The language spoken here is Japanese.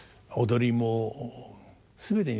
踊りも。